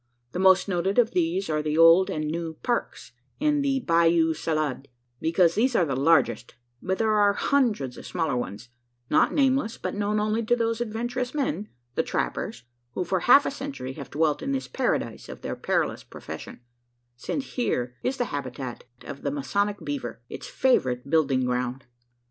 The most noted of these are the Old and New "Parks," and the "Bayou Salade" because these are the largest; but there are hundreds of smaller ones, not nameless, but known only to those adventurous men the trappers who for half a century have dwelt in this paradise of their perilous profession: since here is the habitat of the masonic beaver its favourite building ground.